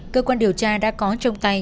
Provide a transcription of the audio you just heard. cơ quan điều tra đã có trong tay